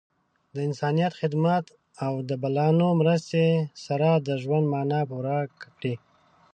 د انسانیت خدمت او د بلانو مرستې سره د ژوند معنا پوره کړئ.